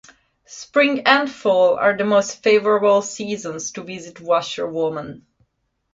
Spring and fall are the most favorable seasons to visit Washer Woman.